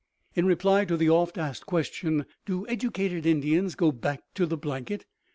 In reply to the oft asked question: "Do educated Indians go back to the blanket?"